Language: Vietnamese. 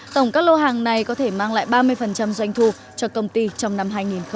tổng các lô hàng này có thể mang lại ba mươi doanh thu cho công ty trong năm hai nghìn hai mươi